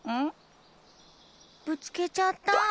ぶつけちゃった！